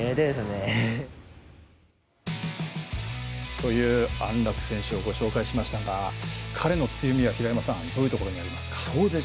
という安楽選手をご紹介しましたが彼の強みは平山さん、どういうところにありますか？